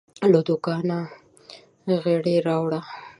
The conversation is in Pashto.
له دوکانه غیړي راوړه